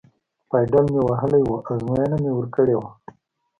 پایډل مې وهلی و، ازموینه مې ورکړې وه.